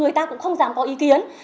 người ta cũng không giảm có ý kiến